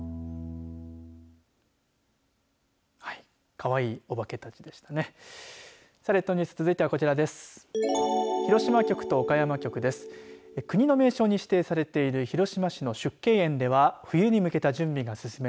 かわいいお化けたちでしたね。